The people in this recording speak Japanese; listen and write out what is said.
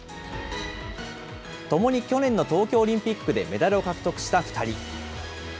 ともに去年の東京オリンピックでメダルを獲得した２人。